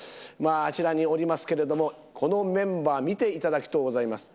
あちらにおりますけれども、このメンバー、見ていただきとうございます。